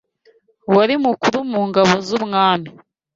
wari mukuru mu ngabo z’umwami